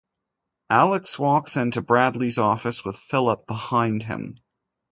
Alex walks into Bradlee's office, with Phillip behind him.